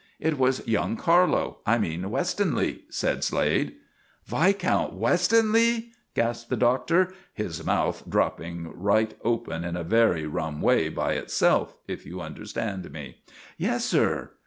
"It was young Carlo I mean Westonleigh," said Slade. "Viscount Westonleigh!" gasped the Doctor, his mouth dropping right open in a very rum way by itself, if you understand me. "Yes, sir."